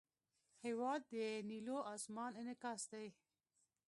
هېواد د نیلو آسمان انعکاس دی.